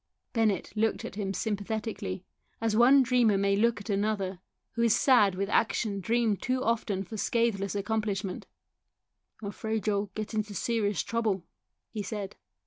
Bennett looked at him sympathetically, as one dreamer may look at another, who is sad with action dreamed too often for scatheless accomplishment. " I'm afraid you'll get into serious trouble," he said.